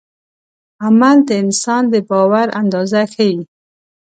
عمل د انسان د باور اندازه ښيي.